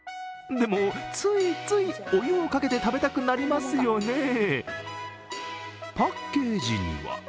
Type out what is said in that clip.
でも、ついついお湯をかけて食べたくなりますよね。